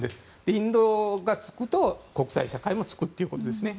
インドがつくと国際社会がつくということですね。